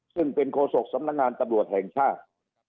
ซึ่งเป็นโฆษกสำนักงานตำรวจแห่งชาติ